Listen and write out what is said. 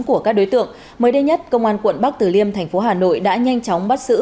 của các đối tượng mới đây nhất công an quận bắc tử liêm thành phố hà nội đã nhanh chóng bắt xử